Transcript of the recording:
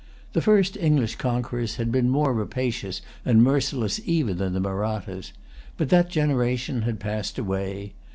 The first English conquerors had been more rapacious and merciless even than the Mahrattas; but that generation had passed away.